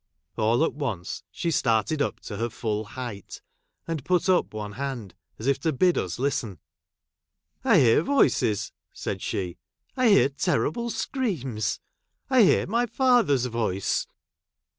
All at once she started up to her full height, and put up one hand as if to bid us listen. " I hear voices !" said she. " I hear terrible screams — 1 hear my father's voice